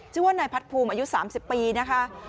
ชื่อว่านายพัดภูมิอายุ๓๐ปีนะคะ